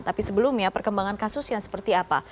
tapi sebelumnya perkembangan kasus yang seperti apa